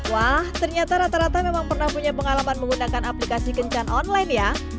wah ternyata rata rata memang pernah punya pengalaman menggunakan aplikasi kencan online ya